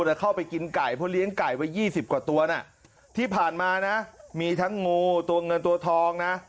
แล้วเข้าไปกินไก่เพราะเลี้ยงไก่ไว้ยี่สิบกว่าตัวน่ะที่ผ่านมานะมีทั้งงูตัวเงินตัวทองนะ